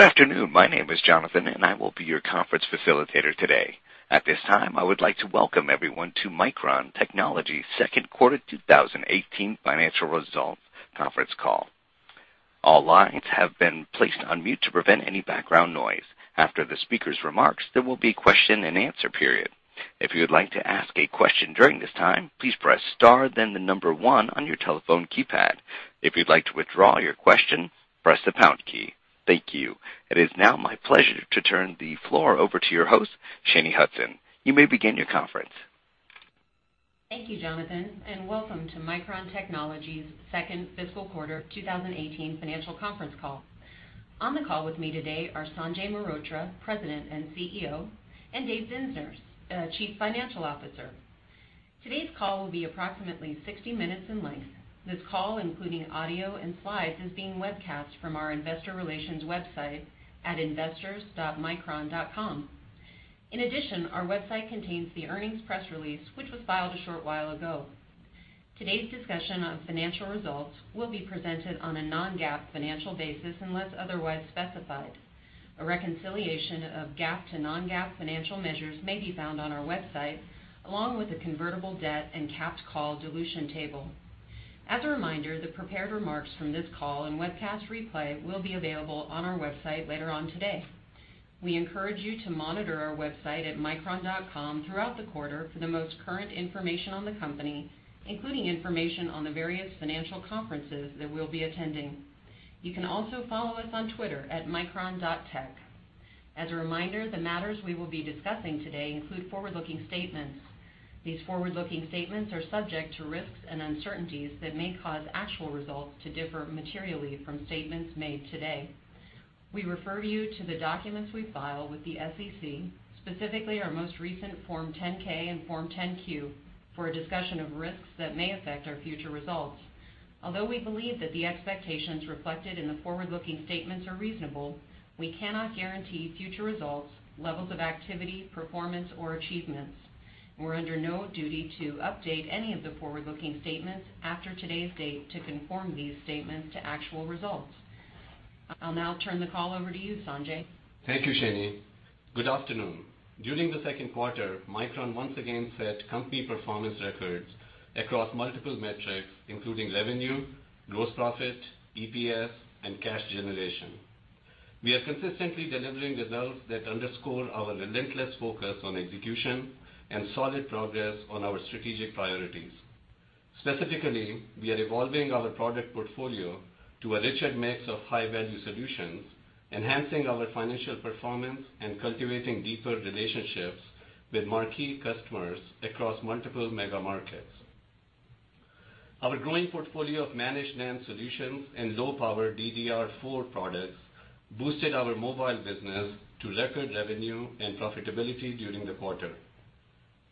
Good afternoon. My name is Jonathan, and I will be your conference facilitator today. At this time, I would like to welcome everyone to Micron Technology second quarter 2018 financial results conference call. All lines have been placed on mute to prevent any background noise. After the speaker's remarks, there will be question and answer period. If you would like to ask a question during this time, please press star then the number one on your telephone keypad. If you'd like to withdraw your question, press the pound key. Thank you. It is now my pleasure to turn the floor over to your host, Shanye Hudson. You may begin your conference. Thank you, Jonathan, and welcome to Micron Technology's second fiscal quarter 2018 financial conference call. On the call with me today are Sanjay Mehrotra, President and CEO, and Dave Zinsner, Chief Financial Officer. Today's call will be approximately 60 minutes in length. This call, including audio and slides, is being webcast from our investor relations website at investors.micron.com. In addition, our website contains the earnings press release, which was filed a short while ago. Today's discussion on financial results will be presented on a non-GAAP financial basis unless otherwise specified. A reconciliation of GAAP to non-GAAP financial measures may be found on our website, along with a convertible debt and capped call dilution table. As a reminder, the prepared remarks from this call and webcast replay will be available on our website later on today. We encourage you to monitor our website at micron.com throughout the quarter for the most current information on the company, including information on the various financial conferences that we'll be attending. You can also follow us on Twitter at @MicronTech. As a reminder, the matters we will be discussing today include forward-looking statements. These forward-looking statements are subject to risks and uncertainties that may cause actual results to differ materially from statements made today. We refer you to the documents we file with the SEC, specifically our most recent Form 10-K and Form 10-Q, for a discussion of risks that may affect our future results. Although we believe that the expectations reflected in the forward-looking statements are reasonable, we cannot guarantee future results, levels of activity, performance, or achievements. We're under no duty to update any of the forward-looking statements after today's date to conform these statements to actual results. I'll now turn the call over to you, Sanjay. Thank you, Shanye. Good afternoon. During the second quarter, Micron once again set company performance records across multiple metrics, including revenue, gross profit, EPS, and cash generation. We are consistently delivering results that underscore our relentless focus on execution and solid progress on our strategic priorities. Specifically, we are evolving our product portfolio to a richer mix of high-value solutions, enhancing our financial performance, and cultivating deeper relationships with marquee customers across multiple mega markets. Our growing portfolio of managed NAND solutions and low-power DDR4 products boosted our mobile business to record revenue and profitability during the quarter.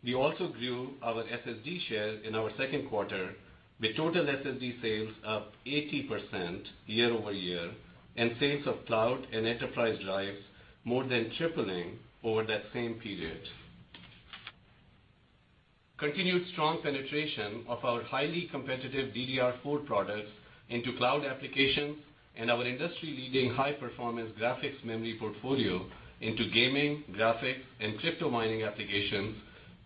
We also grew our SSD shares in our second quarter, with total SSD sales up 80% year-over-year, and sales of cloud and enterprise drives more than tripling over that same period. Continued strong penetration of our highly competitive DDR4 products into cloud applications and our industry-leading high-performance graphics memory portfolio into gaming, graphics, and crypto mining applications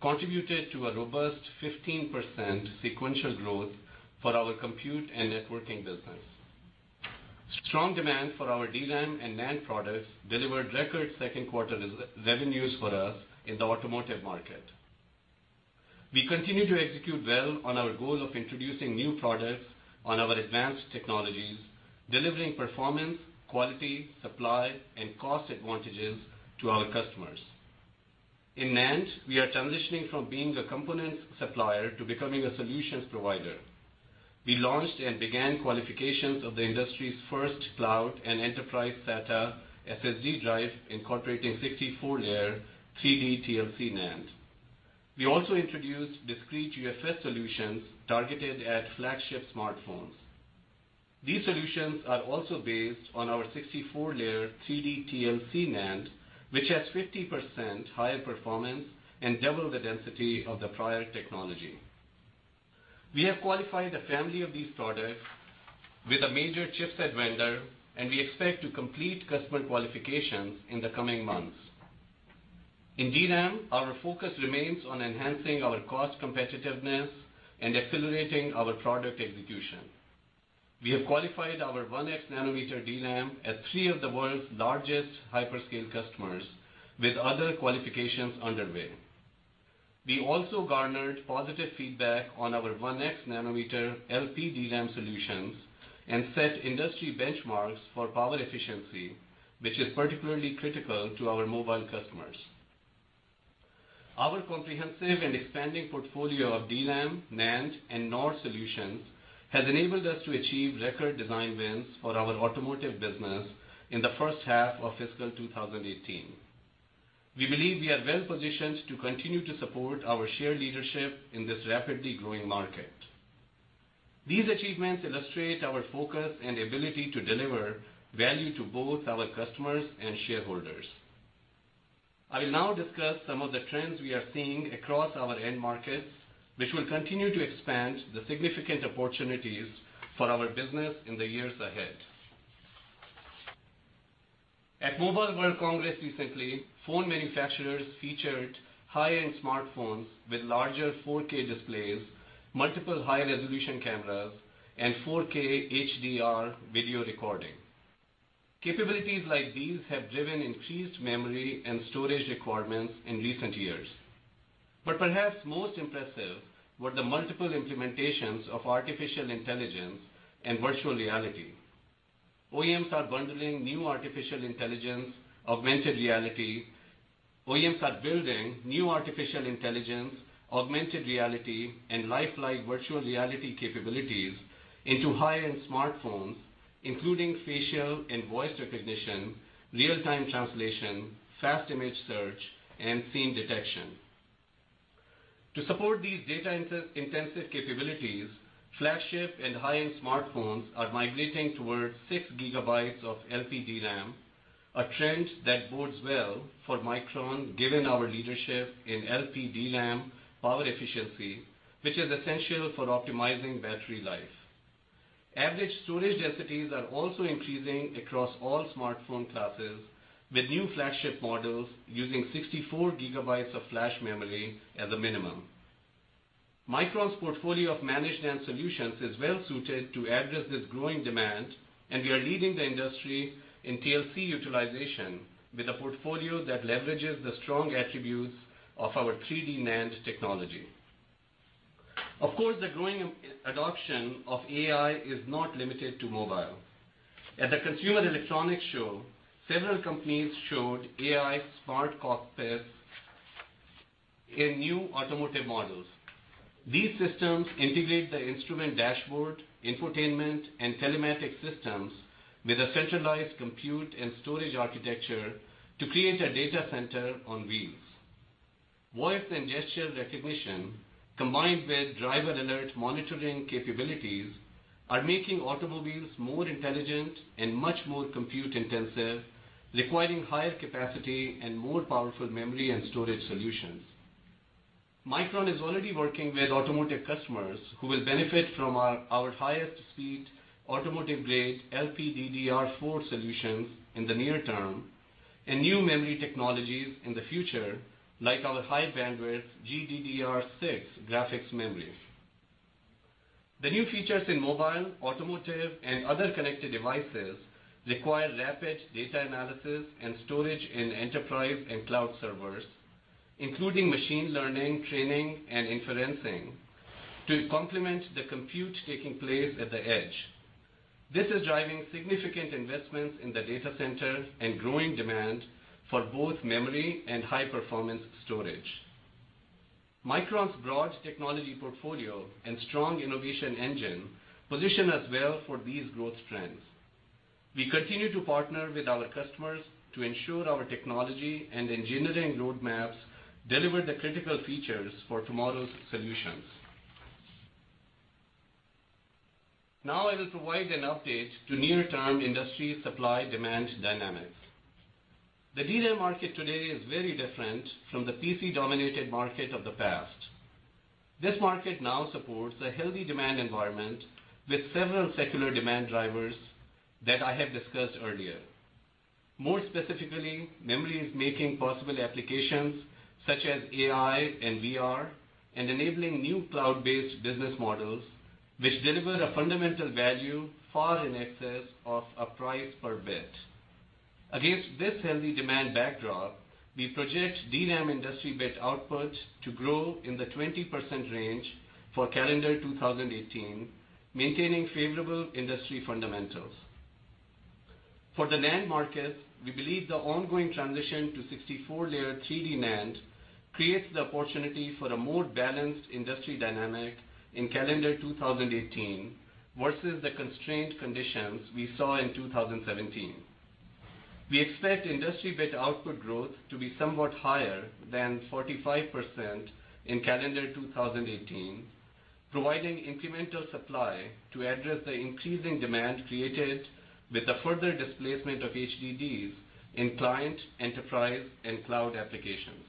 contributed to a robust 15% sequential growth for our compute and networking business. Strong demand for our DRAM and NAND products delivered record second quarter revenues for us in the automotive market. We continue to execute well on our goal of introducing new products on our advanced technologies, delivering performance, quality, supply, and cost advantages to our customers. In NAND, we are transitioning from being a component supplier to becoming a solutions provider. We launched and began qualifications of the industry's first cloud and enterprise SATA SSD drive incorporating 64-layer 3D TLC NAND. We also introduced discrete UFS solutions targeted at flagship smartphones. These solutions are also based on our 64-layer 3D TLC NAND, which has 50% higher performance and double the density of the prior technology. We have qualified a family of these products with a major chipset vendor, and we expect to complete customer qualifications in the coming months. In DRAM, our focus remains on enhancing our cost competitiveness and accelerating our product execution. We have qualified our 1x nanometer DRAM at three of the world's largest hyperscale customers, with other qualifications underway. We also garnered positive feedback on our 1x nanometer LP DRAM solutions and set industry benchmarks for power efficiency, which is particularly critical to our mobile customers. Our comprehensive and expanding portfolio of DRAM, NAND, and NOR solutions has enabled us to achieve record design wins for our automotive business in the first half of fiscal 2018. We believe we are well positioned to continue to support our shared leadership in this rapidly growing market. These achievements illustrate our focus and ability to deliver value to both our customers and shareholders. I will now discuss some of the trends we are seeing across our end markets, which will continue to expand the significant opportunities for our business in the years ahead. At Mobile World Congress recently, phone manufacturers featured high-end smartphones with larger 4K displays, multiple high-resolution cameras, and 4K HDR video recording. Capabilities like these have driven increased memory and storage requirements in recent years. Perhaps most impressive were the multiple implementations of artificial intelligence and virtual reality. OEMs are building new artificial intelligence, augmented reality, and lifelike virtual reality capabilities into high-end smartphones, including facial and voice recognition, real-time translation, fast image search, and scene detection. To support these data-intensive capabilities, flagship and high-end smartphones are migrating towards six gigabytes of LPDRAM, a trend that bodes well for Micron, given our leadership in LPDRAM power efficiency, which is essential for optimizing battery life. Average storage densities are also increasing across all smartphone classes, with new flagship models using 64 gigabytes of flash memory as a minimum. Micron's portfolio of managed NAND solutions is well-suited to address this growing demand, and we are leading the industry in TLC utilization with a portfolio that leverages the strong attributes of our 3D NAND technology. Of course, the growing adoption of AI is not limited to mobile. At the Consumer Electronics Show, several companies showed AI smart cockpits in new automotive models. These systems integrate the instrument dashboard, infotainment, and telematic systems with a centralized compute and storage architecture to create a data center on wheels. Voice and gesture recognition, combined with driver alert monitoring capabilities, are making automobiles more intelligent and much more compute intensive, requiring higher capacity and more powerful memory and storage solutions. Micron is already working with automotive customers who will benefit from our highest speed automotive grade LPDDR4 solutions in the near term, and new memory technologies in the future, like our high bandwidth GDDR6 graphics memory. The new features in mobile, automotive, and other connected devices require rapid data analysis and storage in enterprise and cloud servers, including machine learning, training, and inferencing to complement the compute taking place at the edge. This is driving significant investments in the data center and growing demand for both memory and high-performance storage. Micron's broad technology portfolio and strong innovation engine position us well for these growth trends. We continue to partner with our customers to ensure our technology and engineering roadmaps deliver the critical features for tomorrow's solutions. Now I will provide an update to near-term industry supply-demand dynamics. The DRAM market today is very different from the PC-dominated market of the past. This market now supports a healthy demand environment with several secular demand drivers that I have discussed earlier. More specifically, memory is making possible applications such as AI and VR and enabling new cloud-based business models, which deliver a fundamental value far in excess of a price per bit. Against this healthy demand backdrop, we project DRAM industry bit output to grow in the 20% range for calendar 2018, maintaining favorable industry fundamentals. For the NAND market, we believe the ongoing transition to 64-layer 3D NAND creates the opportunity for a more balanced industry dynamic in calendar 2018 versus the constrained conditions we saw in 2017. We expect industry bit output growth to be somewhat higher than 45% in calendar 2018, providing incremental supply to address the increasing demand created with the further displacement of HDDs in client, enterprise, and cloud applications.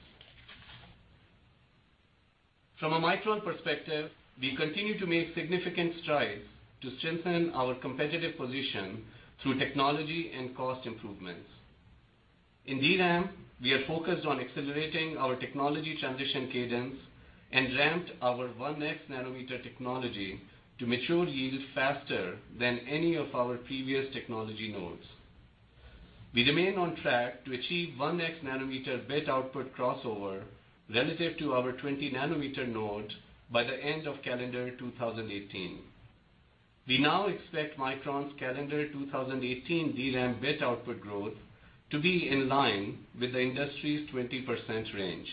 From a Micron perspective, we continue to make significant strides to strengthen our competitive position through technology and cost improvements. In DRAM, we are focused on accelerating our technology transition cadence and ramped our 1x nanometer technology to mature yield faster than any of our previous technology nodes. We remain on track to achieve 1x nanometer bit output crossover relative to our 20 nanometer node by the end of calendar 2018. We now expect Micron's calendar 2018 DRAM bit output growth to be in line with the industry's 20% range.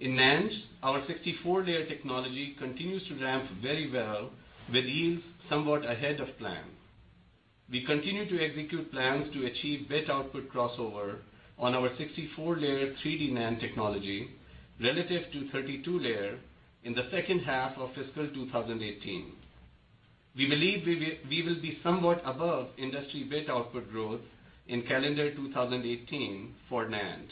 In NAND, our 64-layer technology continues to ramp very well with yields somewhat ahead of plan. We continue to execute plans to achieve bit output crossover on our 64-layer 3D NAND technology relative to 32-layer in the second half of fiscal 2018. We believe we will be somewhat above industry bit output growth in calendar 2018 for NAND.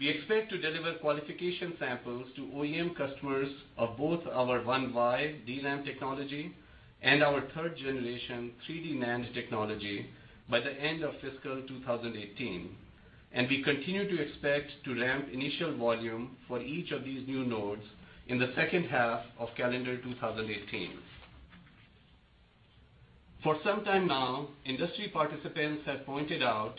We expect to deliver qualification samples to OEM customers of both our 1Y DRAM technology and our third generation 3D NAND technology by the end of fiscal 2018. We continue to expect to ramp initial volume for each of these new nodes in the second half of calendar 2018. For some time now, industry participants have pointed out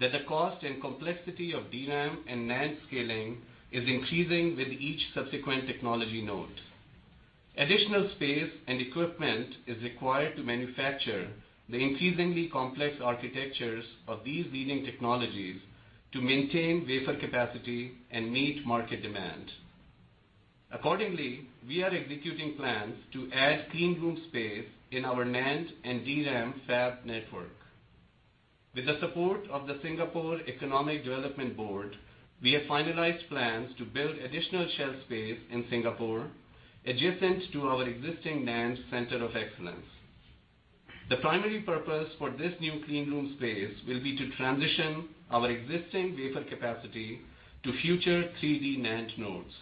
that the cost and complexity of DRAM and NAND scaling is increasing with each subsequent technology node. Additional space and equipment is required to manufacture the increasingly complex architectures of these leading technologies to maintain wafer capacity and meet market demand. Accordingly, we are executing plans to add clean room space in our NAND and DRAM fab network. With the support of the Singapore Economic Development Board, we have finalized plans to build additional shell space in Singapore adjacent to our existing NAND center of excellence. The primary purpose for this new clean room space will be to transition our existing wafer capacity to future 3D NAND nodes.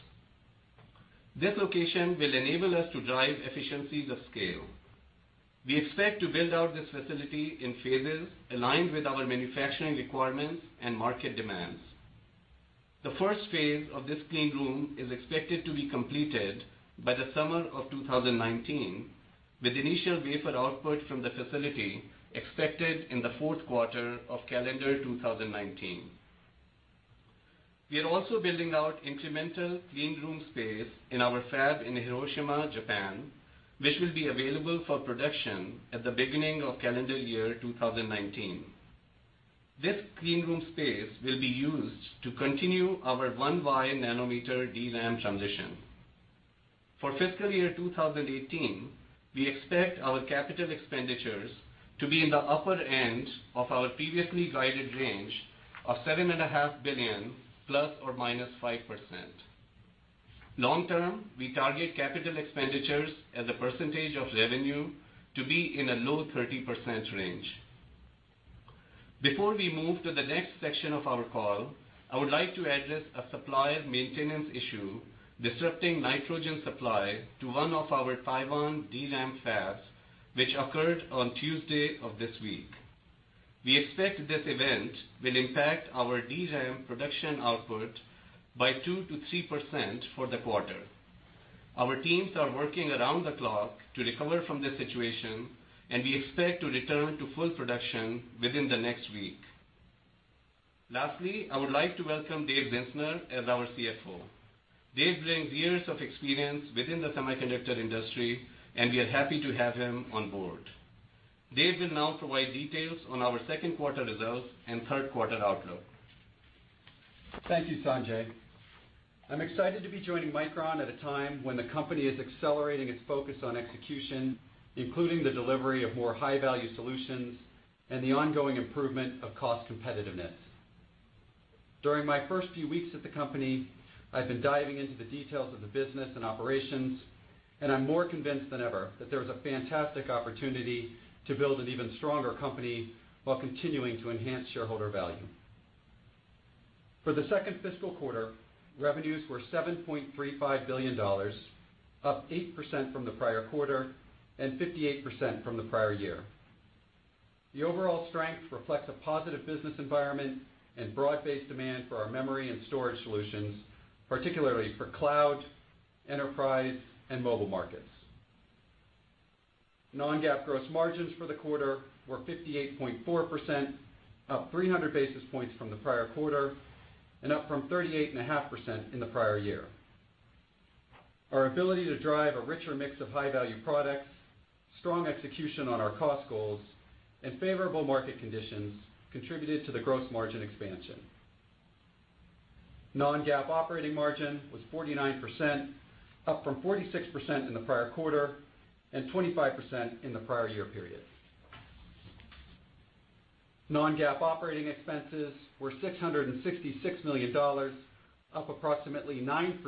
This location will enable us to drive efficiencies of scale. We expect to build out this facility in phases aligned with our manufacturing requirements and market demands. The first phase of this clean room is expected to be completed by the summer of 2019, with initial wafer output from the facility expected in the fourth quarter of calendar 2019. We are also building out incremental clean room space in our fab in Hiroshima, Japan, which will be available for production at the beginning of calendar year 2019. This clean room space will be used to continue our 1Y nanometer DRAM transition. For fiscal year 2018, we expect our capital expenditures to be in the upper end of our previously guided range of $7.5 billion ±5%. Long term, we target capital expenditures as a percentage of revenue to be in a low 30% range. Before we move to the next section of our call, I would like to address a supply maintenance issue disrupting nitrogen supply to one of our Taiwan DRAM fabs, which occurred on Tuesday of this week. We expect this event will impact our DRAM production output by 2%-3% for the quarter. Our teams are working around the clock to recover from this situation. We expect to return to full production within the next week. Lastly, I would like to welcome Dave Zinsner as our CFO. Dave brings years of experience within the semiconductor industry, and we are happy to have him on board. Dave will now provide details on our second quarter results and third quarter outlook. Thank you, Sanjay. I'm excited to be joining Micron at a time when the company is accelerating its focus on execution, including the delivery of more high-value solutions and the ongoing improvement of cost competitiveness. During my first few weeks at the company, I've been diving into the details of the business and operations, and I'm more convinced than ever that there is a fantastic opportunity to build an even stronger company while continuing to enhance shareholder value. For the second fiscal quarter, revenues were $7.35 billion, up 8% from the prior quarter and 58% from the prior year. The overall strength reflects a positive business environment and broad-based demand for our memory and storage solutions, particularly for cloud, enterprise, and mobile markets. non-GAAP gross margins for the quarter were 58.4%, up 300 basis points from the prior quarter and up from 38.5% in the prior year. Our ability to drive a richer mix of high-value products, strong execution on our cost goals, and favorable market conditions contributed to the gross margin expansion. non-GAAP operating margin was 49%, up from 46% in the prior quarter and 25% in the prior year period. non-GAAP operating expenses were $666 million, up approximately 9%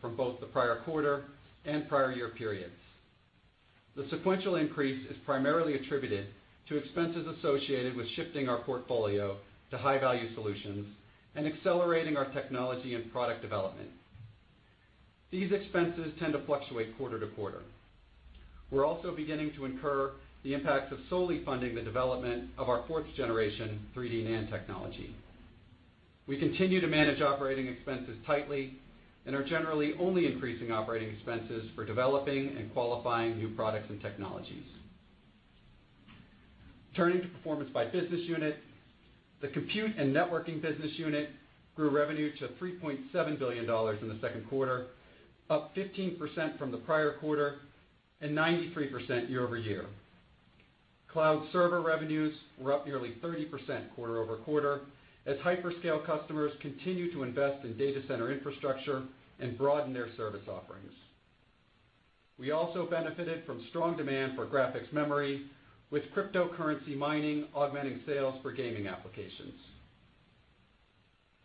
from both the prior quarter and prior year periods. The sequential increase is primarily attributed to expenses associated with shifting our portfolio to high-value solutions and accelerating our technology and product development. These expenses tend to fluctuate quarter to quarter. We're also beginning to incur the impacts of solely funding the development of our fourth generation 3D NAND technology. We continue to manage operating expenses tightly and are generally only increasing operating expenses for developing and qualifying new products and technologies. Turning to performance by business unit. The compute and networking business unit grew revenue to $3.7 billion in the second quarter, up 15% from the prior quarter and 93% year-over-year. Cloud server revenues were up nearly 30% quarter-over-quarter as hyperscale customers continue to invest in data center infrastructure and broaden their service offerings. We also benefited from strong demand for graphics memory with cryptocurrency mining augmenting sales for gaming applications.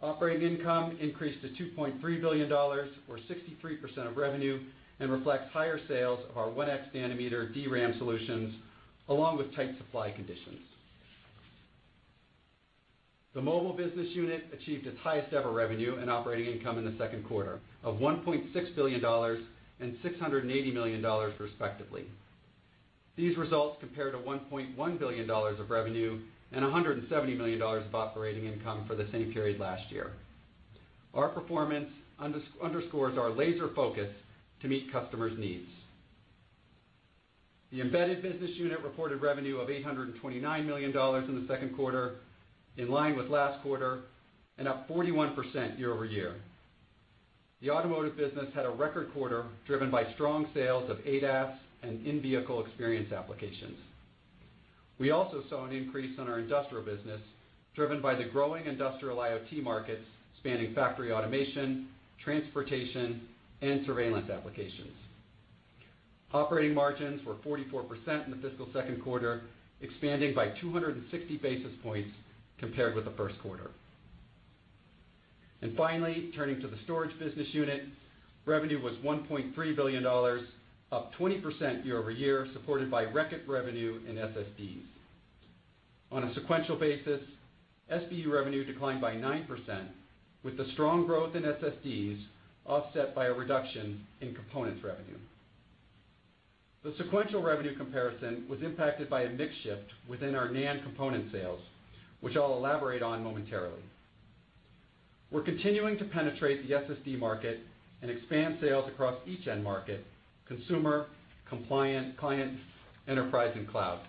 Operating income increased to $2.3 billion or 63% of revenue, and reflects higher sales of our 1x nanometer DRAM solutions along with tight supply conditions. The mobile business unit achieved its highest-ever revenue and operating income in the second quarter of $1.6 billion and $680 million respectively. These results compare to $1.1 billion of revenue and $170 million of operating income for the same period last year. Our performance underscores our laser focus to meet customers' needs. The embedded business unit reported revenue of $829 million in the second quarter, in line with last quarter, and up 41% year-over-year. The automotive business had a record quarter driven by strong sales of ADAS and in-vehicle experience applications. We also saw an increase in our industrial business driven by the growing industrial IoT markets spanning factory automation, transportation, and surveillance applications. Operating margins were 44% in the fiscal second quarter, expanding by 260 basis points compared with the first quarter. Finally, turning to the storage business unit, revenue was $1.3 billion, up 20% year-over-year, supported by record revenue in SSDs. On a sequential basis, SBU revenue declined by 9%, with the strong growth in SSDs offset by a reduction in components revenue. The sequential revenue comparison was impacted by a mix shift within our NAND component sales, which I'll elaborate on momentarily. We're continuing to penetrate the SSD market and expand sales across each end market, consumer, compliant, client, enterprise, and cloud.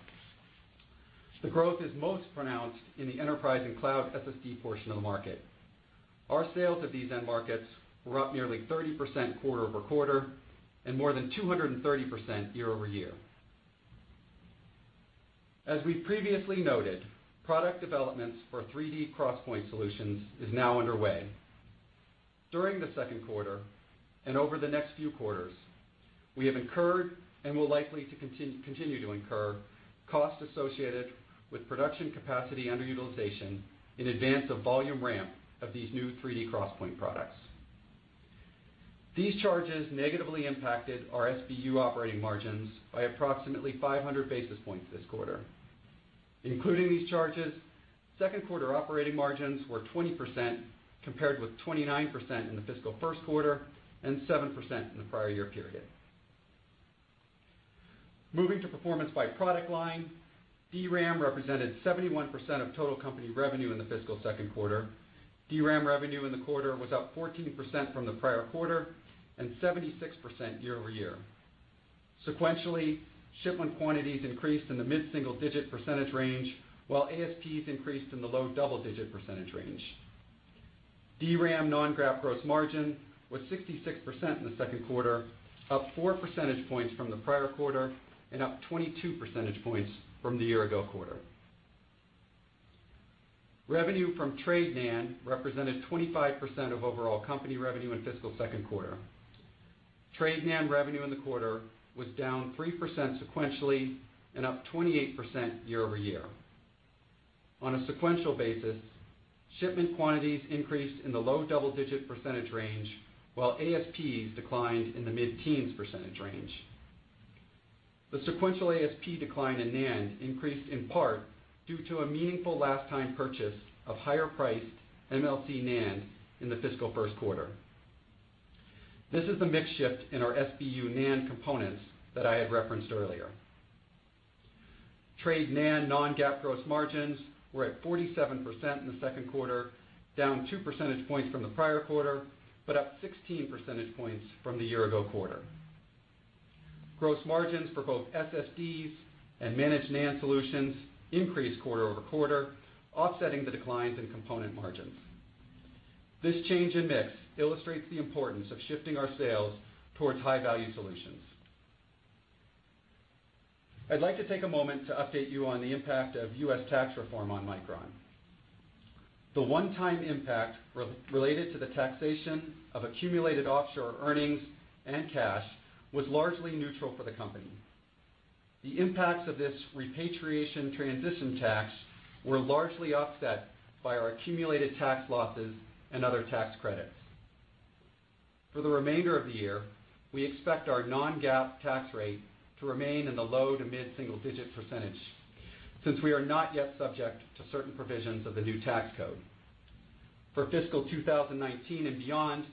The growth is most pronounced in the enterprise and cloud SSD portion of the market. Our sales at these end markets were up nearly 30% quarter-over-quarter, and more than 230% year-over-year. As we previously noted, product developments for 3D XPoint solutions is now underway. During the second quarter and over the next few quarters, we have incurred and will likely continue to incur costs associated with production capacity underutilization in advance of volume ramp of these new 3D XPoint products. These charges negatively impacted our SBU operating margins by approximately 500 basis points this quarter. Including these charges, second quarter operating margins were 20%, compared with 29% in the fiscal first quarter and 7% in the prior year period. Moving to performance by product line, DRAM represented 71% of total company revenue in the fiscal second quarter. DRAM revenue in the quarter was up 14% from the prior quarter and 76% year-over-year. Sequentially, shipment quantities increased in the mid-single-digit percentage range, while ASPs increased in the low double-digit percentage range. DRAM non-GAAP gross margin was 66% in the second quarter, up four percentage points from the prior quarter and up 22 percentage points from the year-ago quarter. Revenue from trade NAND represented 25% of overall company revenue in fiscal second quarter. Trade NAND revenue in the quarter was down 3% sequentially and up 28% year-over-year. On a sequential basis, shipment quantities increased in the low double-digit percentage range while ASPs declined in the mid-teens percentage range. The sequential ASP decline in NAND increased in part due to a meaningful last-time purchase of higher-priced MLC NAND in the fiscal first quarter. This is the mix shift in our SBU NAND components that I had referenced earlier. Trade NAND non-GAAP gross margins were at 47% in the second quarter, down two percentage points from the prior quarter, but up 16 percentage points from the year-ago quarter. Gross margins for both SSDs and managed NAND solutions increased quarter-over-quarter, offsetting the declines in component margins. This change in mix illustrates the importance of shifting our sales towards high-value solutions. I'd like to take a moment to update you on the impact of U.S. tax reform on Micron. The one-time impact related to the taxation of accumulated offshore earnings and cash was largely neutral for the company. The impacts of this repatriation transition tax were largely offset by our accumulated tax losses and other tax credits. For the remainder of the year, we expect our non-GAAP tax rate to remain in the low to mid-single-digit percentage, since we are not yet subject to certain provisions of the new tax code. For fiscal 2019 and beyond,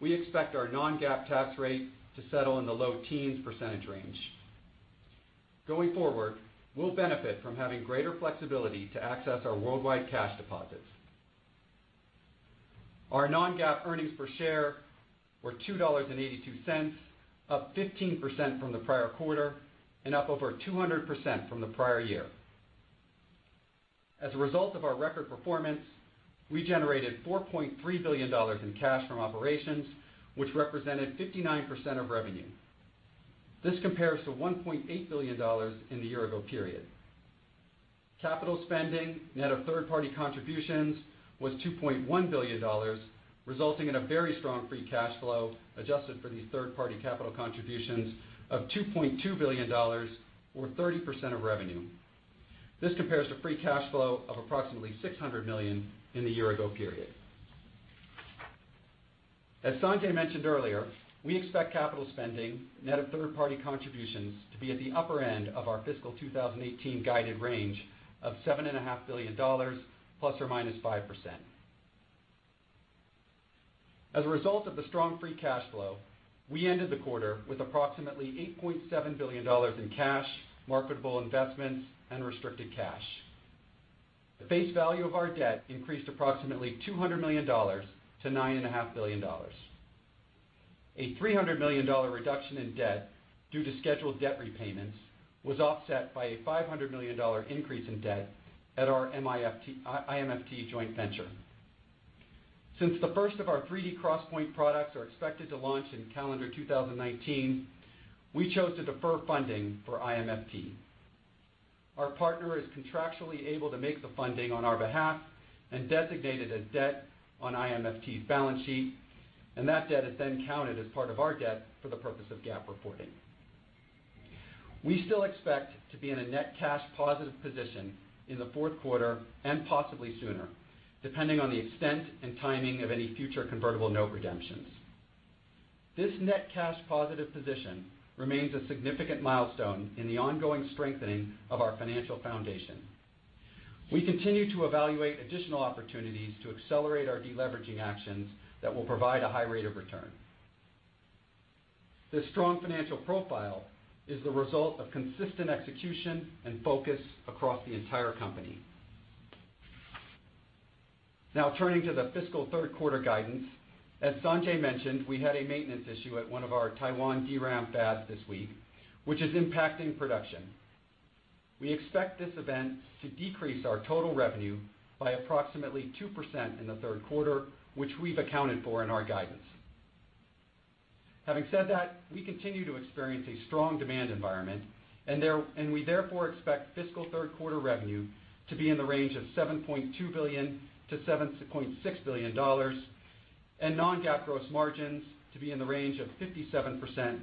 we expect our non-GAAP tax rate to settle in the low teens percentage range. Going forward, we'll benefit from having greater flexibility to access our worldwide cash deposits. Our non-GAAP earnings per share were $2.82, up 15% from the prior quarter and up over 200% from the prior year. As a result of our record performance, we generated $4.3 billion in cash from operations, which represented 59% of revenue. This compares to $1.8 billion in the year-ago period. Capital spending, net of third-party contributions, was $2.1 billion, resulting in a very strong free cash flow, adjusted for these third-party capital contributions of $2.2 billion, or 30% of revenue. This compares to free cash flow of approximately $600 million in the year-ago period. As Sanjay mentioned earlier, we expect capital spending net of third-party contributions to be at the upper end of our fiscal 2018 guided range of $7.5 billion ±5%. As a result of the strong free cash flow, we ended the quarter with approximately $8.7 billion in cash, marketable investments, and restricted cash. The face value of our debt increased approximately $200 million to $9.5 billion. A $300 million reduction in debt due to scheduled debt repayments was offset by a $500 million increase in debt at our IMFT joint venture. The first of our 3D XPoint products are expected to launch in calendar 2019, we chose to defer funding for IMFT. Our partner is contractually able to make the funding on our behalf and designated as debt on IMFT's balance sheet, and that debt is then counted as part of our debt for the purpose of GAAP reporting. We still expect to be in a net cash positive position in the fourth quarter, and possibly sooner, depending on the extent and timing of any future convertible note redemptions. This net cash positive position remains a significant milestone in the ongoing strengthening of our financial foundation. We continue to evaluate additional opportunities to accelerate our deleveraging actions that will provide a high rate of return. This strong financial profile is the result of consistent execution and focus across the entire company. Now, turning to the fiscal third quarter guidance. As Sanjay mentioned, we had a maintenance issue at one of our Taiwan DRAM fabs this week, which is impacting production. We expect this event to decrease our total revenue by approximately 2% in the third quarter, which we've accounted for in our guidance. Having said that, we continue to experience a strong demand environment, we therefore expect fiscal third quarter revenue to be in the range of $7.2 billion-$7.6 billion, and non-GAAP gross margins to be in the range of 57%-60%.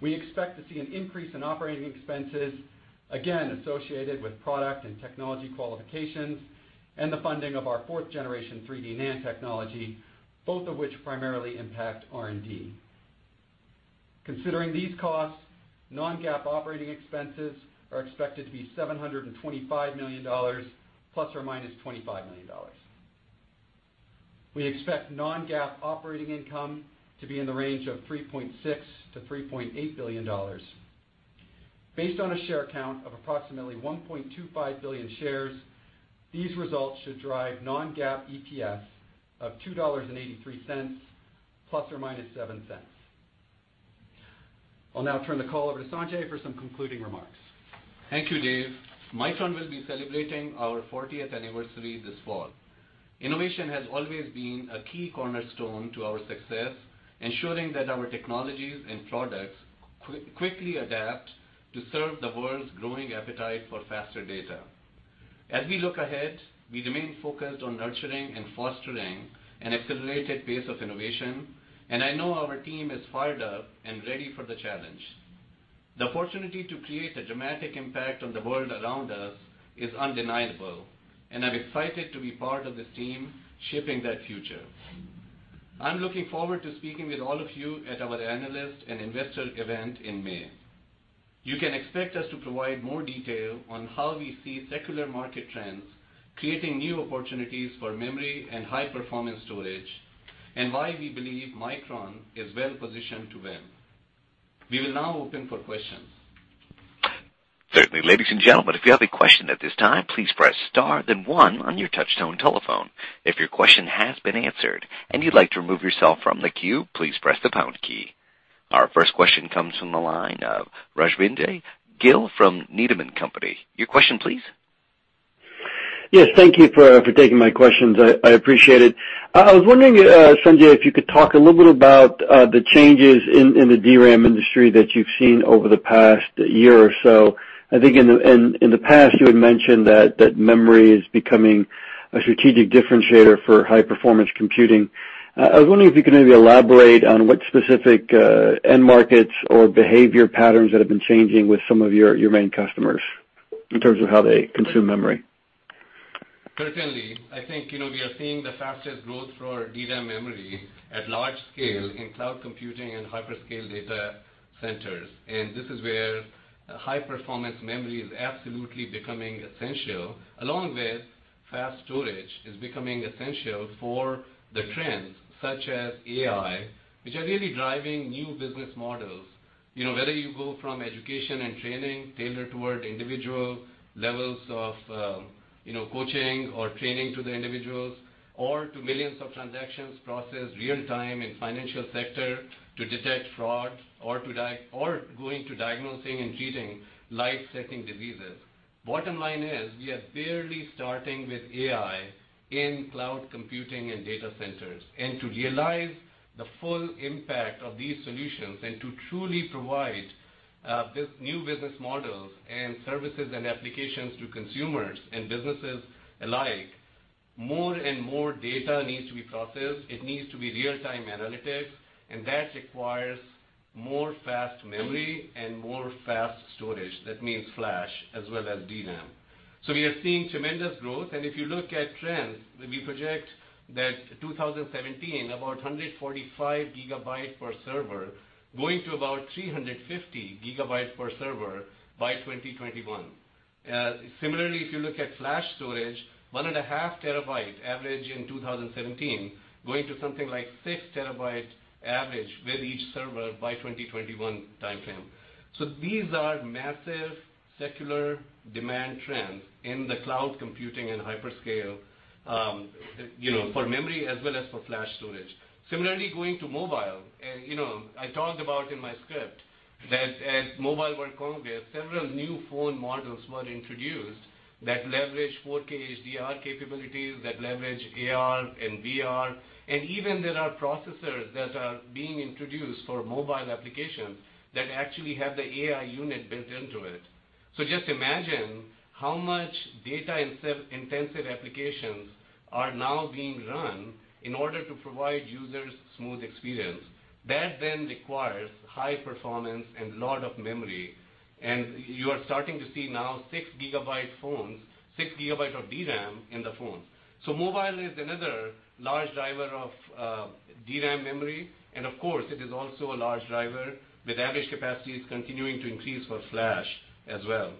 We expect to see an increase in operating expenses, again, associated with product and technology qualifications and the funding of our 4th generation 3D NAND technology, both of which primarily impact R&D. Considering these costs, non-GAAP operating expenses are expected to be $725 million ±$25 million. We expect non-GAAP operating income to be in the range of $3.6 billion-$3.8 billion. Based on a share count of approximately 1.25 billion shares, these results should drive non-GAAP EPS of $2.83 ±$0.07. I'll now turn the call over to Sanjay for some concluding remarks. Thank you, Dave. Micron will be celebrating our 40th anniversary this fall. Innovation has always been a key cornerstone to our success, ensuring that our technologies and products quickly adapt to serve the world's growing appetite for faster data. As we look ahead, we remain focused on nurturing and fostering an accelerated pace of innovation, and I know our team is fired up and ready for the challenge. The opportunity to create a dramatic impact on the world around us is undeniable, and I'm excited to be part of this team shaping that future. I'm looking forward to speaking with all of you at our analyst and investor event in May. You can expect us to provide more detail on how we see secular market trends creating new opportunities for memory and high-performance storage, and why we believe Micron is well positioned to win. We will now open for questions. Certainly. Ladies and gentlemen, if you have a question at this time, please press star then one on your touchtone telephone. If your question has been answered and you'd like to remove yourself from the queue, please press the pound key. Our first question comes from the line of Rajvindra Gill from Needham & Company. Your question, please. Yes. Thank you for taking my questions. I appreciate it. I was wondering, Sanjay, if you could talk a little bit about the changes in the DRAM industry that you've seen over the past year or so. I think in the past, you had mentioned that memory is becoming a strategic differentiator for high-performance computing. I was wondering if you could maybe elaborate on what specific end markets or behavior patterns that have been changing with some of your main customers in terms of how they consume memory. Certainly. I think we are seeing the fastest growth for our DRAM memory at large scale in cloud computing and hyperscale data centers. This is where high-performance memory is absolutely becoming essential, along with fast storage is becoming essential for the trends such as AI, which are really driving new business models. Whether you go from education and training tailored toward individual levels of coaching or training to the individuals, or to millions of transactions processed real time in financial sector to detect fraud or going to diagnosing and treating life-threatening diseases. Bottom line is, we are barely starting with AI in cloud computing and data centers. To realize the full impact of these solutions and to truly provide new business models and services and applications to consumers and businesses alike. More and more data needs to be processed. It needs to be real-time analytics, That requires more fast memory and more fast storage. That means flash as well as DRAM. We are seeing tremendous growth, and if you look at trends, we project that 2017, about 145 gigabytes per server, going to about 350 gigabytes per server by 2021. Similarly, if you look at flash storage, one and a half terabyte average in 2017, going to something like six terabyte average with each server by 2021 timeframe. These are massive secular demand trends in the cloud computing and hyperscale, for memory as well as for flash storage. Similarly, going to mobile, I talked about in my script that at Mobile World Congress, several new phone models were introduced that leverage 4K HDR capabilities, that leverage AR and VR, even there are processors that are being introduced for mobile applications that actually have the AI unit built into it. Just imagine how much data-intensive applications are now being run in order to provide users smooth experience. That requires high performance and lot of memory, you are starting to see now six gigabyte phones, six gigabyte of DRAM in the phone. Mobile is another large driver of DRAM memory, of course, it is also a large driver with average capacities continuing to increase for flash as well.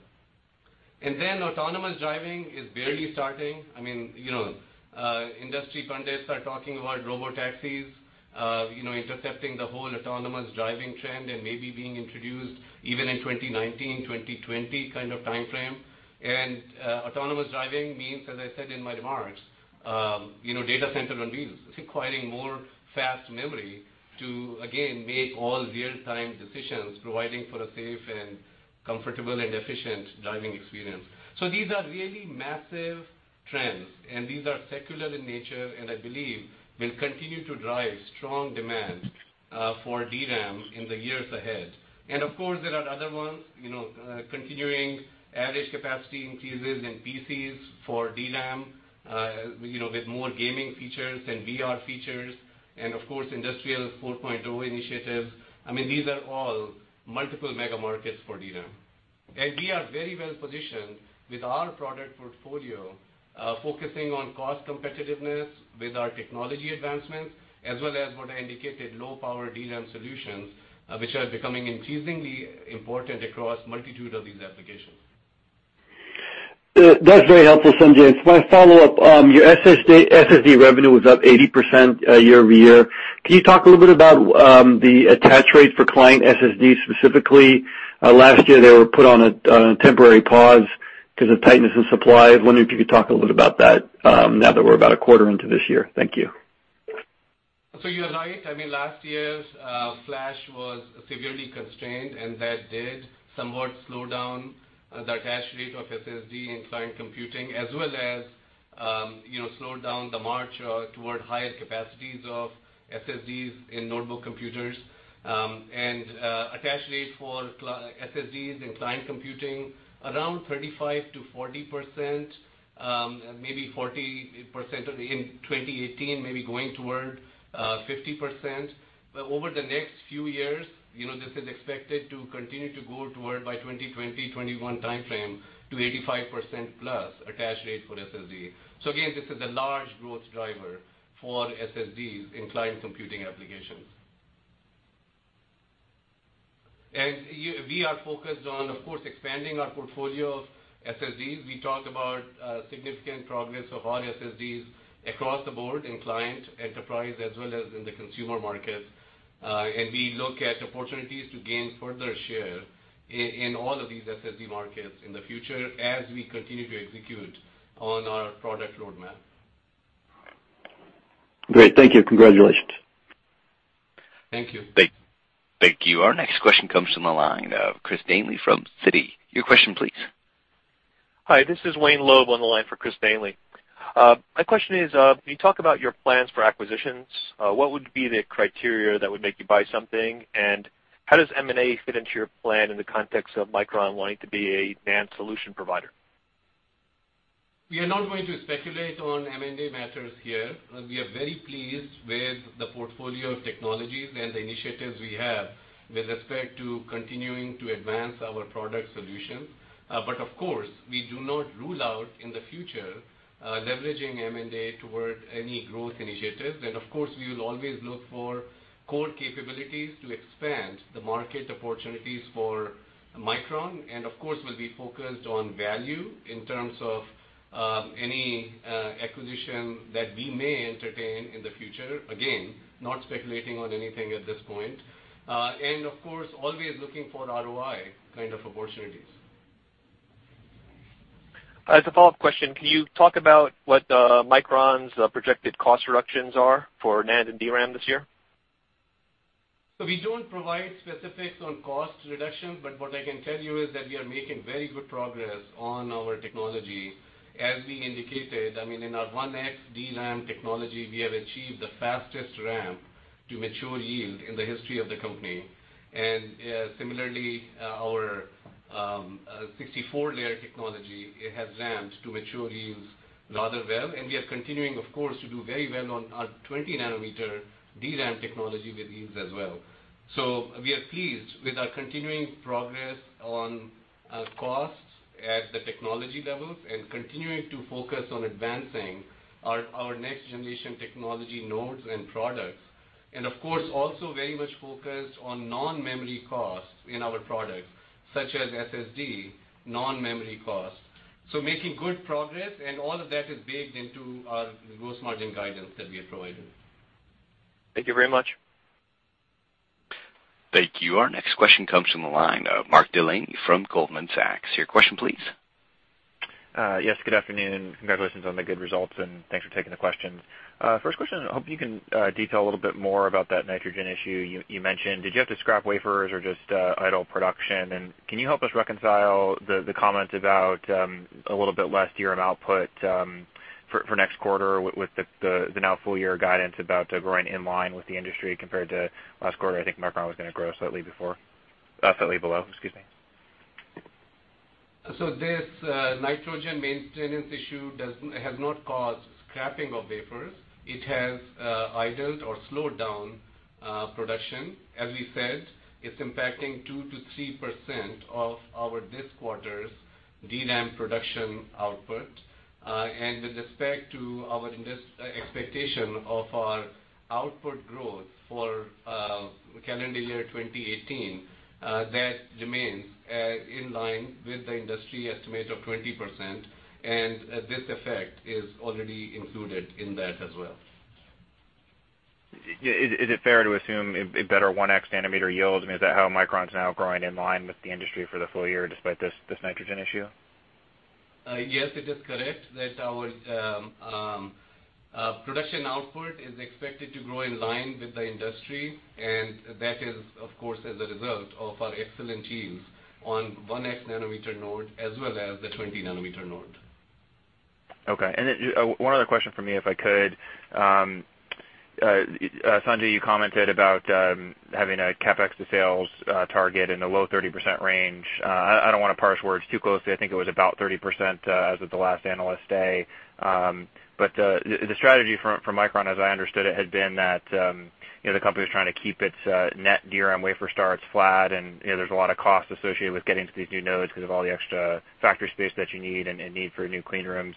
Autonomous driving is barely starting. Industry pundits are talking about robo-taxis, intercepting the whole autonomous driving trend and maybe being introduced even in 2019, 2020 kind of timeframe. Autonomous driving means, as I said in my remarks, data center on wheels, requiring more fast memory to, again, make all real-time decisions, providing for a safe and comfortable and efficient driving experience. These are really massive trends, These are secular in nature, I believe will continue to drive strong demand for DRAM in the years ahead. Of course, there are other ones, continuing average capacity increases in PCs for DRAM, with more gaming features and VR features, of course, Industrial 4.0 initiatives. These are all multiple mega markets for DRAM. We are very well-positioned with our product portfolio, focusing on cost competitiveness with our technology advancements, as well as what I indicated, low-power DRAM solutions, which are becoming increasingly important across multitude of these applications. That's very helpful, Sanjay. Just want to follow up. Your SSD revenue was up 80% year-over-year. Can you talk a little bit about the attach rate for client SSD specifically? Last year, they were put on a temporary pause because of tightness in supply. I was wondering if you could talk a little about that, now that we're about a quarter into this year. Thank you. You're right. Last year, flash was severely constrained, and that did somewhat slow down the attach rate of SSD in client computing as well as slow down the march toward higher capacities of SSDs in notebook computers. Attach rate for SSDs in client computing, around 35%-40%, maybe 40% in 2018, maybe going toward 50%, but over the next few years, this is expected to continue to go toward, by 2020, 2021 timeframe, to 85%+ attach rate for SSD. Again, this is a large growth driver for SSDs in client computing applications. We are focused on, of course, expanding our portfolio of SSDs. We talked about significant progress of all SSDs across the board in client enterprise as well as in the consumer market. We look at opportunities to gain further share in all of these SSD markets in the future as we continue to execute on our product roadmap. Great. Thank you. Congratulations. Thank you. Thank you. Our next question comes from the line of Chris Danely from Citi. Your question, please. Hi, this is Wayne Loeb on the line for Chris Danely. My question is, when you talk about your plans for acquisitions, what would be the criteria that would make you buy something? And how does M&A fit into your plan in the context of Micron wanting to be a NAND solution provider? We are not going to speculate on M&A matters here. We are very pleased with the portfolio of technologies and the initiatives we have with respect to continuing to advance our product solutions. Of course, we do not rule out, in the future, leveraging M&A toward any growth initiatives. Of course, we will always look for core capabilities to expand the market opportunities for Micron. Of course, we'll be focused on value in terms of any acquisition that we may entertain in the future. Again, not speculating on anything at this point. Of course, always looking for ROI kind of opportunities. As a follow-up question, can you talk about what Micron's projected cost reductions are for NAND and DRAM this year? We don't provide specifics on cost reduction, but what I can tell you is that we are making very good progress on our technology. As we indicated, in our 1x DRAM technology, we have achieved the fastest RAM To mature yield in the history of the company. Similarly, our 64-layer technology has ramped to mature yields rather well, and we are continuing, of course, to do very well on our 20 nanometer DRAM technology with yields as well. We are pleased with our continuing progress on costs at the technology levels and continuing to focus on advancing our next-generation technology nodes and products. Of course, also very much focused on non-memory costs in our products, such as SSD, non-memory costs. Making good progress, and all of that is baked into our gross margin guidance that we have provided. Thank you very much. Thank you. Our next question comes from the line, Mark Delaney from Goldman Sachs. Your question, please. Yes, good afternoon. Congratulations on the good results, and thanks for taking the questions. First question, I hope you can detail a little bit more about that nitrogen issue you mentioned. Did you have to scrap wafers or just idle production? Can you help us reconcile the comment about a little bit less DRAM output for next quarter with the now full-year guidance about growing in line with the industry compared to last quarter? I think Micron was going to grow slightly before. Slightly below, excuse me. This nitrogen maintenance issue has not caused scrapping of wafers. It has idled or slowed down production. As we said, it's impacting 2%-3% of our this quarter's DRAM production output. With respect to our expectation of our output growth for calendar year 2018, that remains in line with the industry estimate of 20%, and this effect is already included in that as well. Is it fair to assume a better 1x nanometer yield? I mean, is that how Micron's now growing in line with the industry for the full year despite this nitrogen issue? Yes, it is correct that our production output is expected to grow in line with the industry. That is, of course, as a result of our excellent yields on 1x nanometer node as well as the 20 nanometer node. Okay. Then one other question from me, if I could. Sanjay, you commented about having a CapEx to sales target in the low 30% range. I don't want to parse words too closely. I think it was about 30% as of the last Analyst Day. The strategy for Micron, as I understood it, had been that the company was trying to keep its net DRAM wafer starts flat, and there's a lot of costs associated with getting to these new nodes because of all the extra factory space that you need and need for new clean rooms.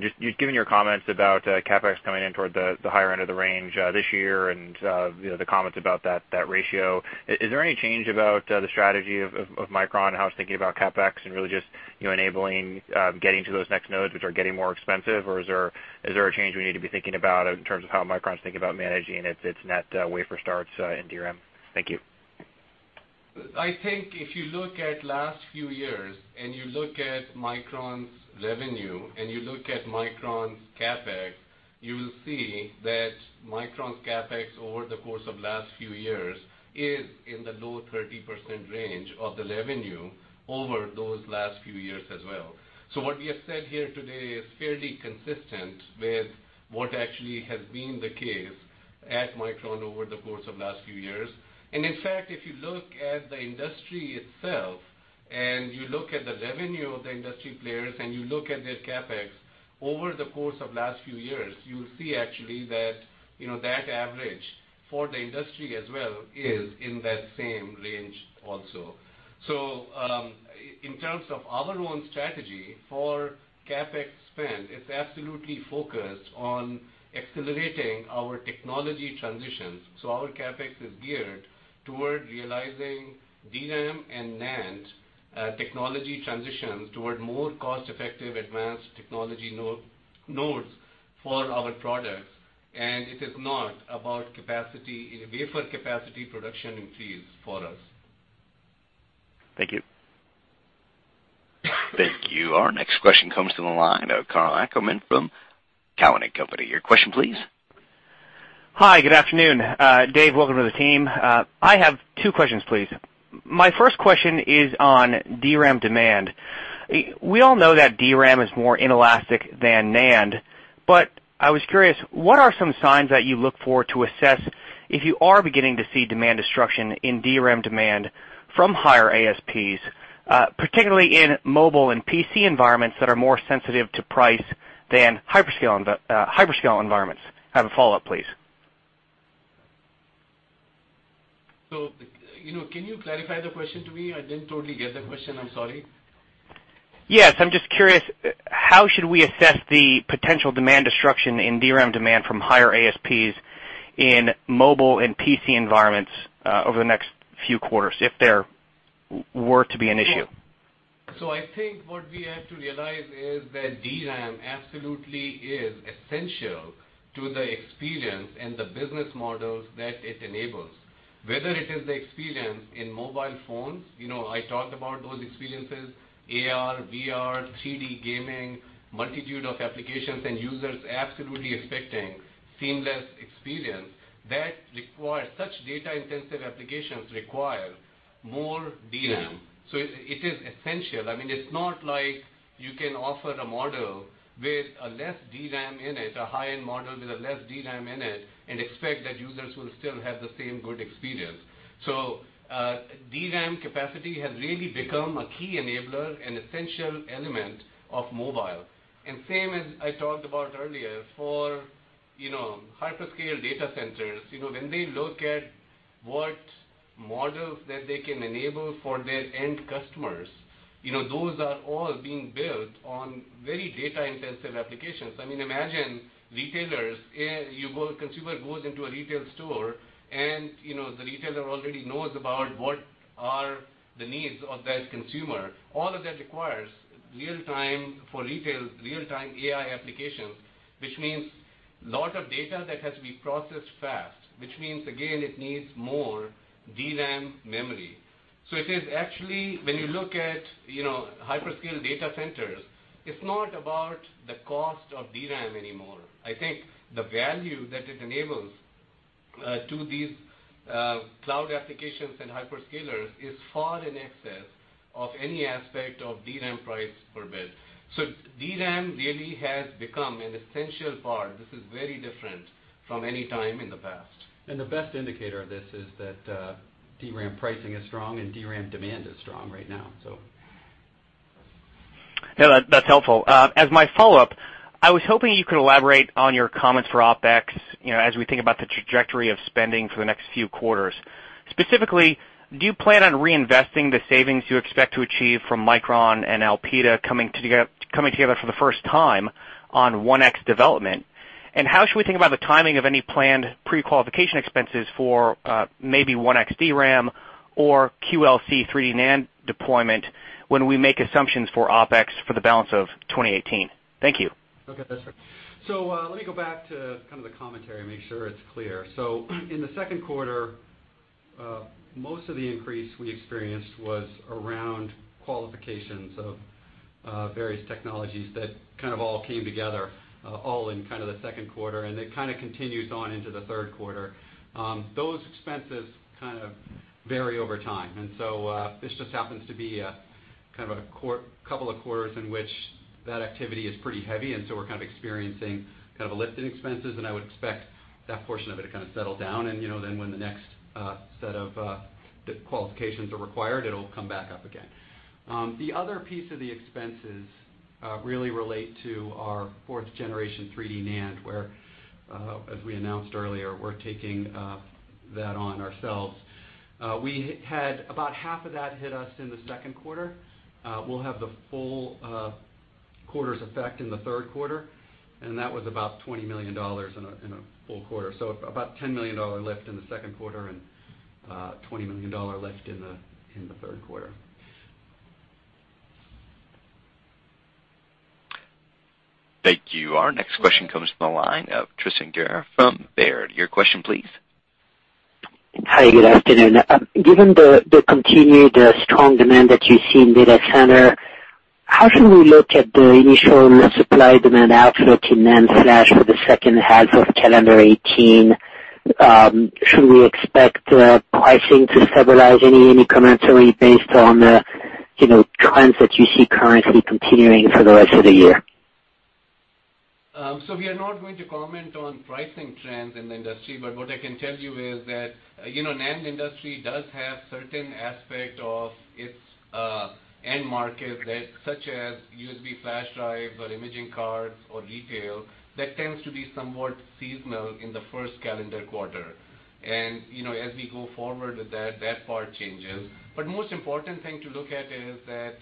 Just given your comments about CapEx coming in toward the higher end of the range this year and the comments about that ratio, is there any change about the strategy of Micron and how it's thinking about CapEx and really just enabling getting to those next nodes, which are getting more expensive, or is there a change we need to be thinking about in terms of how Micron's thinking about managing its net wafer starts in DRAM? Thank you. I think if you look at last few years, you look at Micron's revenue, you look at Micron's CapEx, you will see that Micron's CapEx over the course of last few years is in the low 30% range of the revenue over those last few years as well. What we have said here today is fairly consistent with what actually has been the case at Micron over the course of last few years. In fact, if you look at the industry itself, you look at the revenue of the industry players, you look at their CapEx over the course of last few years, you will see actually that average for the industry as well is in that same range also. In terms of our own strategy for CapEx spend, it's absolutely focused on accelerating our technology transitions. Our CapEx is geared toward realizing DRAM and NAND technology transitions toward more cost-effective advanced technology nodes for our products, and it is not about capacity, wafer capacity production increase for us. Thank you. Thank you. Our next question comes to the line, Karl Ackerman from Cowen and Company. Your question please. Hi, good afternoon. Dave, welcome to the team. I have two questions, please. My first question is on DRAM demand. We all know that DRAM is more inelastic than NAND, but I was curious, what are some signs that you look for to assess if you are beginning to see demand destruction in DRAM demand from higher ASPs, particularly in mobile and PC environments that are more sensitive to price than hyperscale environments? I have a follow-up, please. Can you clarify the question to me? I didn't totally get the question. I'm sorry. Yes. I'm just curious, how should we assess the potential demand destruction in DRAM demand from higher ASPs in mobile and PC environments, over the next few quarters if there were to be an issue? I think what we have to realize is that DRAM absolutely is essential to the experience and the business models that it enables. Whether it is the experience in mobile phones, I talked about those experiences, AR, VR, 3D gaming, multitude of applications and users absolutely expecting seamless experience. Such data-intensive applications require more DRAM. It is essential. I mean, it's not like you can offer a model with less DRAM in it, a high-end model with less DRAM in it, and expect that users will still have the same good experience. DRAM capacity has really become a key enabler and essential element of mobile. Same as I talked about earlier, for hyperscale data centers, when they look at what models that they can enable for their end customers, those are all being built on very data-intensive applications. Imagine retailers, a consumer goes into a retail store and the retailer already knows about what are the needs of that consumer. All of that requires, for retail, real-time AI applications, which means lot of data that has to be processed fast, which means, again, it needs more DRAM memory. It is actually, when you look at hyperscale data centers, it's not about the cost of DRAM anymore. I think the value that it enables to these cloud applications and hyperscalers is far in excess of any aspect of DRAM price per bit. DRAM really has become an essential part. This is very different from any time in the past. The best indicator of this is that DRAM pricing is strong and DRAM demand is strong right now. Yeah, that's helpful. As my follow-up, I was hoping you could elaborate on your comments for OpEx, as we think about the trajectory of spending for the next few quarters. Specifically, do you plan on reinvesting the savings you expect to achieve from Micron and Elpida coming together for the first time on 1X development? How should we think about the timing of any planned pre-qualification expenses for maybe 1X DRAM or QLC 3D NAND deployment when we make assumptions for OpEx for the balance of 2018? Thank you. Okay, that's fair. Let me go back to the commentary, make sure it's clear. In the second quarter, most of the increase we experienced was around qualifications of various technologies that all came together all in the second quarter, and it continues on into the third quarter. Those expenses vary over time. This just happens to be a couple of quarters in which that activity is pretty heavy, and we're experiencing a lift in expenses, and I would expect that portion of it to settle down and then when the next set of qualifications are required, it'll come back up again. The other piece of the expenses really relate to our fourth generation 3D NAND, where, as we announced earlier, we're taking that on ourselves. We had about half of that hit us in the second quarter. We'll have the full quarter's effect in the third quarter, and that was about $20 million in a full quarter. About a $10 million lift in the second quarter and $20 million lift in the third quarter. Thank you. Our next question comes from the line of Tristan Gerra from Baird. Your question please. Hi, good afternoon. Given the continued strong demand that you see in data center, how should we look at the initial supply-demand outlook in NAND flash for the second half of calendar 2018? Should we expect pricing to stabilize? Any commentary based on the trends that you see currently continuing for the rest of the year? We are not going to comment on pricing trends in the industry. What I can tell you is that NAND industry does have certain aspect of its end market that, such as USB flash drive or imaging cards or retail, that tends to be somewhat seasonal in the first calendar quarter. As we go forward, that part changes. Most important thing to look at is that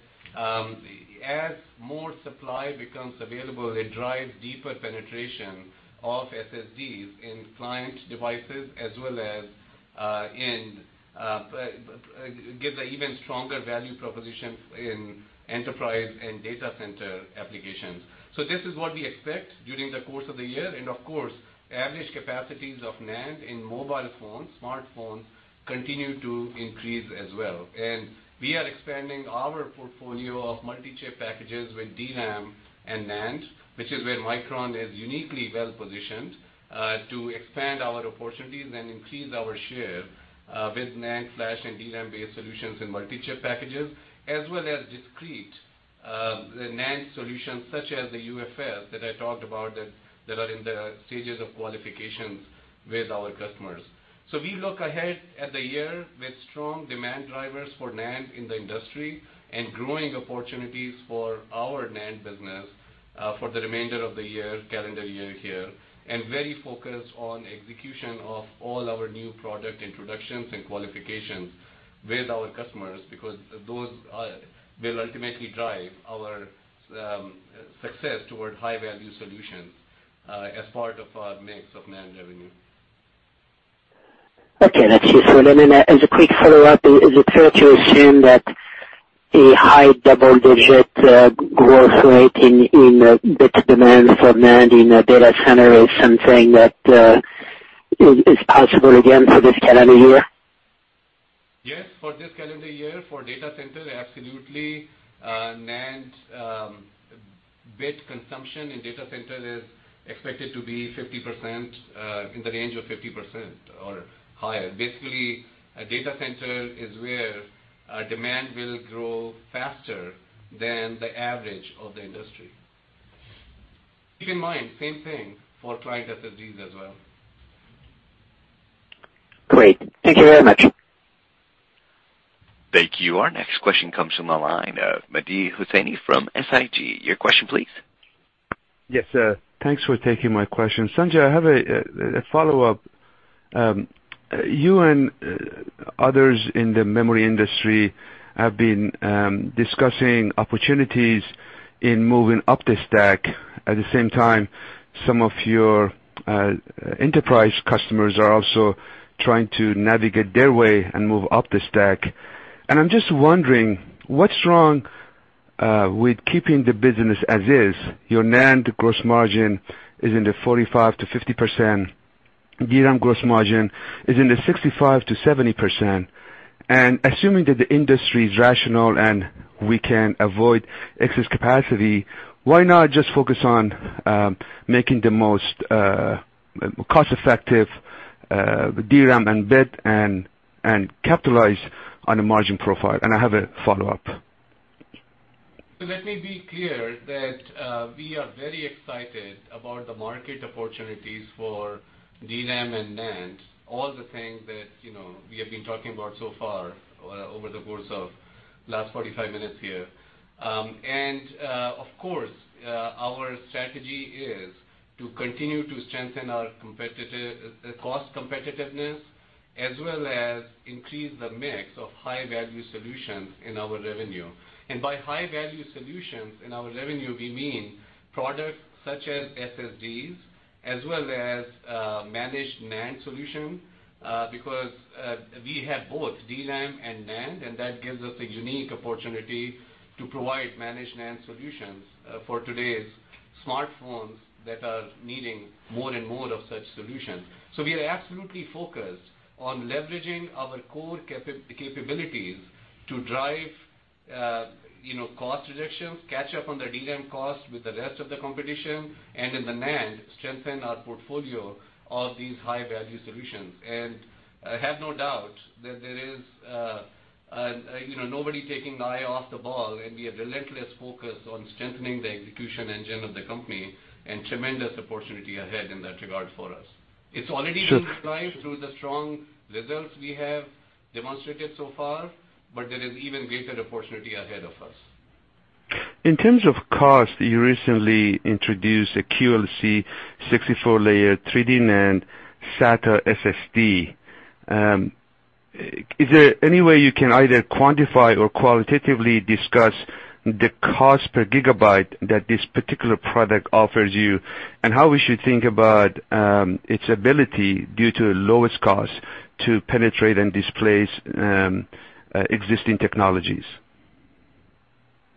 as more supply becomes available, it drives deeper penetration of SSDs in client devices as well as gives an even stronger value proposition in enterprise and data center applications. This is what we expect during the course of the year, and of course, average capacities of NAND in mobile phones, smartphone, continue to increase as well. We are expanding our portfolio of multi-chip packages with DRAM and NAND, which is where Micron is uniquely well-positioned to expand our opportunities and increase our share with NAND flash and DRAM-based solutions in multi-chip packages, as well as discrete NAND solutions such as the UFS that I talked about that are in the stages of qualifications with our customers. We look ahead at the year with strong demand drivers for NAND in the industry and growing opportunities for our NAND business for the remainder of the year, calendar year here, and very focused on execution of all our new product introductions and qualifications with our customers because those will ultimately drive our success toward high-value solutions as part of our mix of NAND revenue. Okay, that's useful. As a quick follow-up, is it fair to assume that a high double-digit growth rate in bits demand for NAND in data center is something that is possible again for this calendar year? Yes, for this calendar year for data center, absolutely. NAND bit consumption in data center is expected to be in the range of 50% or higher. Basically, a data center is where demand will grow faster than the average of the industry. Keep in mind, same thing for client SSDs as well. Great. Thank you very much. Thank you. Our next question comes from the line of Mehdi Hosseini from SIG. Your question, please. Yes, thanks for taking my question. Sanjay, I have a follow-up. You and others in the memory industry have been discussing opportunities in moving up the stack. At the same time, some of your enterprise customers are also trying to navigate their way and move up the stack. I'm just wondering, what's wrong with keeping the business as is? Your NAND gross margin is in the 45%-50%, DRAM gross margin is in the 65%-70%. Assuming that the industry is rational and we can avoid excess capacity, why not just focus on making the most cost-effective DRAM and bit and capitalize on the margin profile? I have a follow-up. Let me be clear that we are very excited about the market opportunities for DRAM and NAND, all the things that we have been talking about so far over the course of the last 45 minutes here. Of course, our strategy is to continue to strengthen our cost competitiveness, as well as increase the mix of high-value solutions in our revenue. By high-value solutions in our revenue, we mean products such as SSDs, as well as managed NAND solutions, because we have both DRAM and NAND, and that gives us a unique opportunity to provide managed NAND solutions for today's smartphones that are needing more and more of such solutions. We are absolutely focused on leveraging our core capabilities to drive cost reductions, catch up on the DRAM cost with the rest of the competition, and in the NAND, strengthen our portfolio of these high-value solutions. I have no doubt that there is nobody taking the eye off the ball, and we are relentlessly focused on strengthening the execution engine of the company and tremendous opportunity ahead in that regard for us. It's already been derived through the strong results we have demonstrated so far, but there is even greater opportunity ahead of us. In terms of cost, you recently introduced a QLC 64-layer 3D NAND SATA SSD. Is there any way you can either quantify or qualitatively discuss the cost per gigabyte that this particular product offers you and how we should think about its ability, due to lowest cost, to penetrate and displace existing technologies?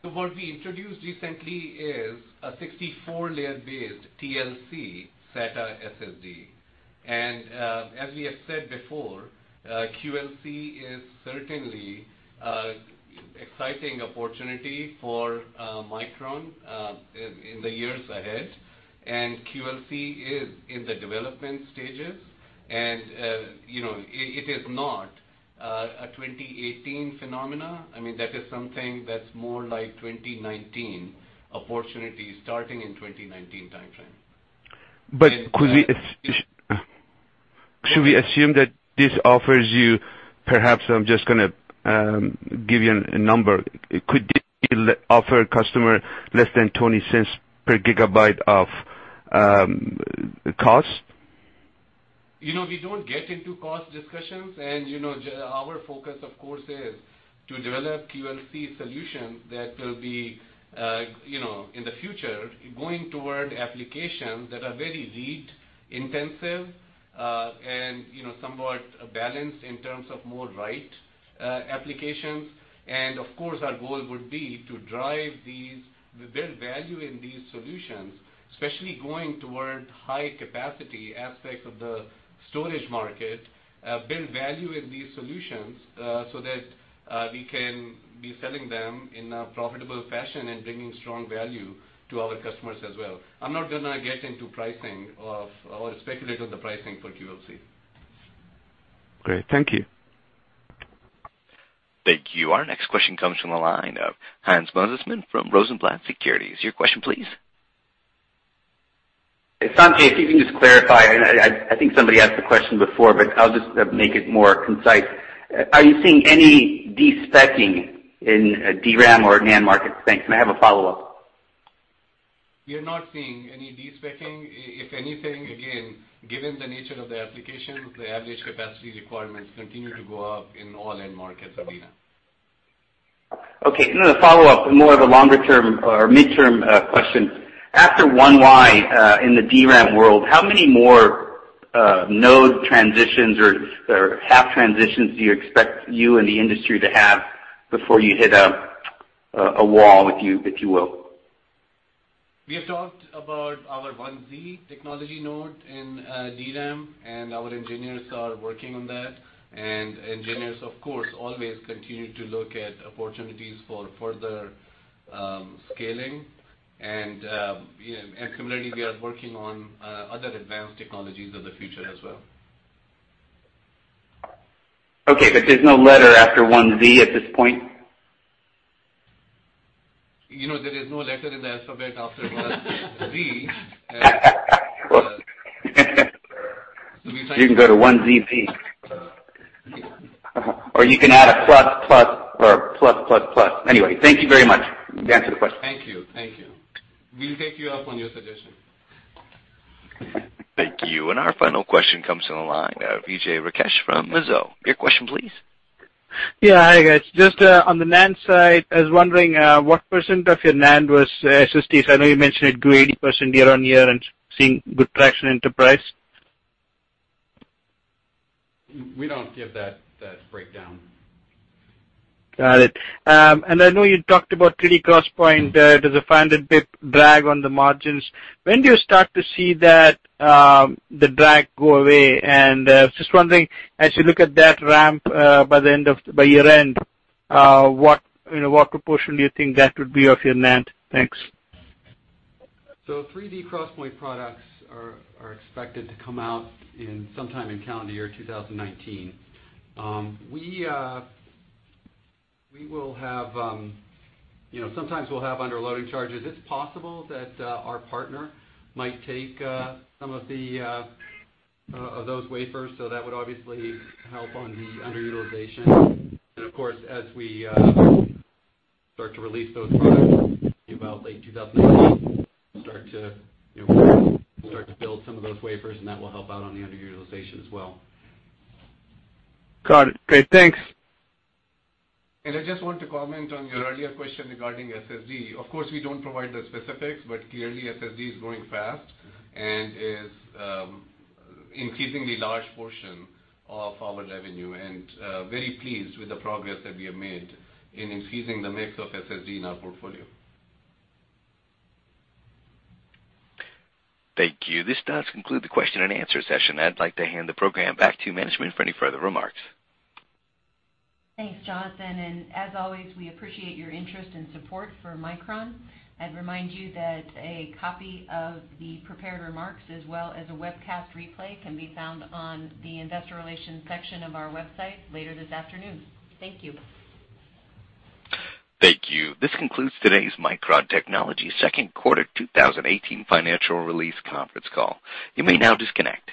What we introduced recently is a 64-layer-based TLC SATA SSD. As we have said before, QLC is certainly an exciting opportunity for Micron in the years ahead. QLC is in the development stages. It is not a 2018 phenomenon. That is something that's more like a 2019 opportunity, starting in 2019 timeframe. Should we assume that this offers you, perhaps I'm just going to give you a number. Could this offer a customer less than $0.20 per gigabyte of cost? We don't get into cost discussions. Our focus, of course, is to develop QLC solutions that will be, in the future, going toward applications that are very read-intensive and somewhat balanced in terms of more write applications. Of course, our goal would be to drive these, build value in these solutions, especially going toward high-capacity aspects of the storage market, build value in these solutions so that we can be selling them in a profitable fashion and bringing strong value to our customers as well. I'm not going to get into pricing or speculate on the pricing for QLC. Great. Thank you. Thank you. Our next question comes from the line of Hans Mosesmann from Rosenblatt Securities. Your question, please. Sanjay, if you can just clarify, I think somebody asked the question before, I'll just make it more concise. Are you seeing any despeccing in the DRAM or NAND markets? Thanks, I have a follow-up. We are not seeing any despeccing. If anything, again, given the nature of the application, the average capacity requirements continue to go up in all end markets that we are in. Okay, another follow-up, more of a longer-term or midterm question. After 1Y in the DRAM world, how many more node transitions or half transitions do you expect you and the industry to have before you hit a wall, if you will? We have talked about our 1Z technology node in DRAM, our engineers are working on that, engineers, of course, always continue to look at opportunities for further scaling. Similarly, we are working on other advanced technologies of the future as well. Okay, there's no letter after 1Z at this point? There is no letter in the alphabet after 1Z. You can go to 1ZB. You can add a plus plus or plus plus plus. Anyway, thank you very much. You answered the question. Thank you. We'll take you up on your suggestion. Thank you. Our final question comes on the line. Vijay Rakesh from Mizuho. Your question please. Hi, guys. Just on the NAND side, I was wondering what % of your NAND was SSD. I know you mentioned it grew 80% year-over-year and seeing good traction enterprise. We don't give that breakdown. Got it. I know you talked about 3D XPoint, there's a 500 pip drag on the margins. When do you start to see the drag go away? Just wondering, as you look at that ramp by year-end, what proportion do you think that would be of your NAND? Thanks. 3D XPoint products are expected to come out in sometime in calendar year 2019. Sometimes we'll have underloading charges. It's possible that our partner might take some of those wafers, so that would obviously help on the underutilization. Of course, as we start to release those products about late 2019, we start to build some of those wafers, and that will help out on the underutilization as well. Got it. Great. Thanks. I just want to comment on your earlier question regarding SSD. Of course, we don't provide the specifics, but clearly SSD is growing fast and is increasingly large portion of our revenue, and very pleased with the progress that we have made in increasing the mix of SSD in our portfolio. Thank you. This does conclude the question and answer session. I'd like to hand the program back to management for any further remarks. Thanks, Jonathan. As always, we appreciate your interest and support for Micron. I'd remind you that a copy of the prepared remarks as well as a webcast replay can be found on the investor relations section of our website later this afternoon. Thank you. Thank you. This concludes today's Micron Technology second quarter 2018 financial release conference call. You may now disconnect.